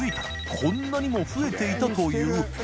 こんなにも増えていたという緑川）